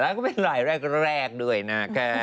แล้วก็เป็นไลค์แรกด้วยนะ